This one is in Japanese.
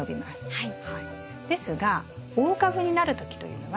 はい。